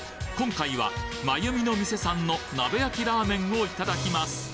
今回は「まゆみの店」さんの鍋焼きラーメンをいただきます